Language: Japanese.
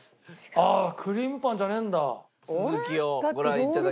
ああクリームパンじゃねえんだ。